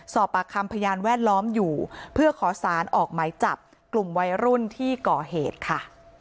สอบปากคำพยานแวดล้อมอยู่เพื่อขอสารออกหมายจับกลุ่มวัยรุ่นที่ก่อเหตุค่ะ